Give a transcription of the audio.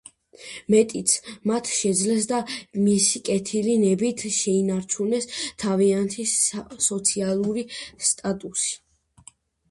მეტიც, მათ შეძლეს და მისი კეთილი ნებით შეინარჩუნეს თავიანთი სოციალური სტატუსი.